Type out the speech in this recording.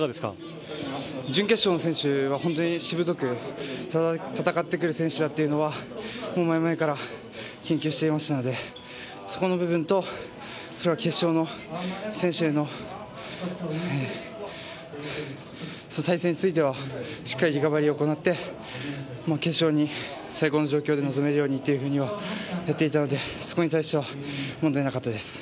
準決勝の選手は本当にしぶとく戦ってくる選手だというのは前々から研究していましたので、そこの部分と決勝の選手への対戦についてはしっかりリカバリーを行って決勝に最高の状況で臨めるようにとやっていたのでそこに対しては問題なかったです。